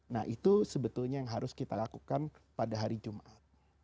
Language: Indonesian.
nah itu sebetulnya yang harus kita lakukan pada hari jumat